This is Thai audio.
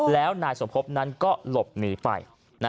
แล้วนายสมพบนั้นก็หลบหนีไป